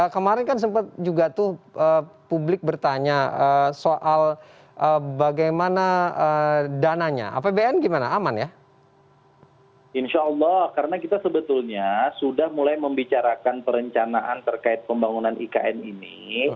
kita sebetulnya sudah mulai membicarakan perencanaan terkait pembangunan ikn ini